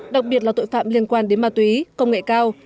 đặc biệt là tội phạm liên quan đến ma túy công nghệ cao